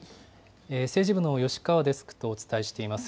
政治部のよしかわデスクとお伝えしています。